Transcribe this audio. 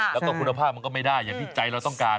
แล้วก็คุณภาพมันก็ไม่ได้อย่างที่ใจเราต้องการ